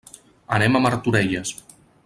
Anem a Martorelles.